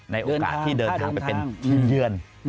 ในโอกาสที่เดินทางไปเป็นทีมเยือน